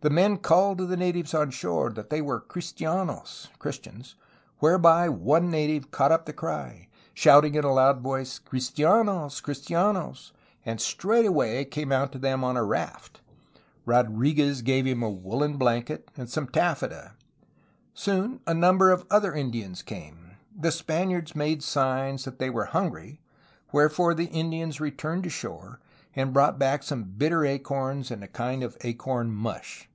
The men called to the natives on shore that they were ^^cristianos'^ (Christians), whereupon one native caught up the cry, shouting in a loud voice ^^Cristianosl CnstianosV\ and straightway came out to them on a raft. Rodri guez gave him a woolen blanket and some taffeta. Soon a number of other Indians came. The Spaniards made signs that they were hungry, wherefore the Indians returned to shore and brought back some bitter acorns and a kind of acorn mush.